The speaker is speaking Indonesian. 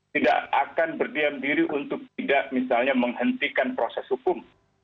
tidak akan berdiam diri untuk tidak misalnya menghentikan proses hukum